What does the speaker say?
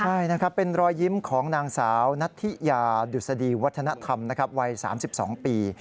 ใช่เป็นรอยยิ้มของนางสาวนัทธิยาดุสดีวัฒนธรรมวัย๓๒ปี